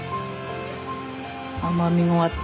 甘みもあって。